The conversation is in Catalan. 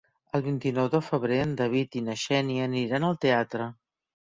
El vint-i-nou de febrer en David i na Xènia aniran al teatre.